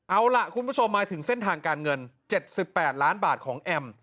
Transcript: เอาล่ะคุณผู้ชมมาถึงเส้นทางการเงิน๗๘ล้านบาทของแอม